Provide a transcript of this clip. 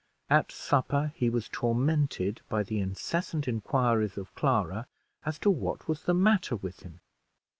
At supper he was tormented by the incessant inquiries of Clara, as to what was the matter with him.